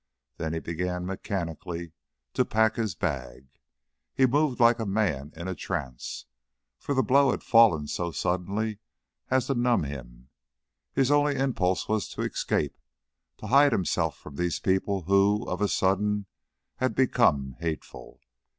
Then he began mechanically to pack his bag. He moved like a man in a trance, for the blow had fallen so suddenly as to numb him; his only impulse was to escape, to hide himself from these people who, of a sudden, had become hateful.